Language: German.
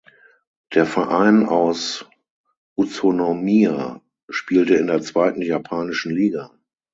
Der Verein aus Utsunomiya spielte in der zweiten japanischen Liga.